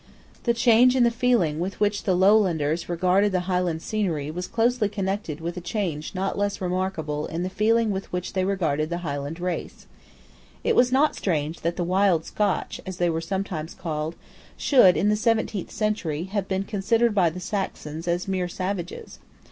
The change in the feeling with which the Lowlanders regarded the highland scenery was closely connected with a change not less remarkable in the feeling with which they regarded the Highland race. It is not strange that the Wild Scotch, as they were sometimes called, should, in the seventeenth century, have been considered by the Saxons as mere savages.